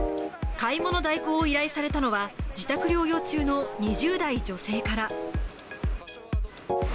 買い物代行を依頼されたのは、自宅療養中の２０代女性から。